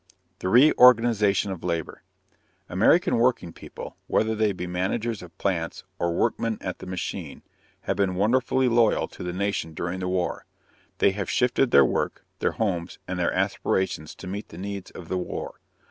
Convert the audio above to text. THE REORGANIZATION OF LABOR. American working people, whether they be managers of plants or workmen at the machine, have been wonderfully loyal to the nation during the war. They have shifted their work, their homes, and their aspirations to meet the needs of the war.